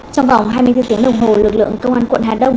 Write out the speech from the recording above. trong vòng hai mươi bốn tiếng đồng hồ lực lượng công an quận hà đông